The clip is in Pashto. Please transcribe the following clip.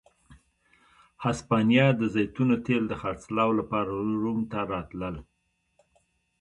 هسپانیا د زیتونو تېل د خرڅلاو لپاره روم ته راتلل.